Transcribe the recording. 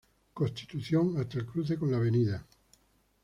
Constitución hasta el cruce con la Av.